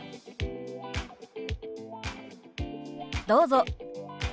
どうぞ。